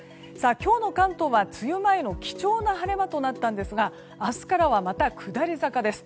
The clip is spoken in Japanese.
今日の関東は梅雨前の貴重な晴れ間となったんですが明日からは、また下り坂です。